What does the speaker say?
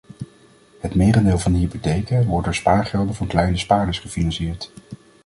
Het merendeel van de hypotheken wordt door spaargelden van kleine spaarders gefinancierd.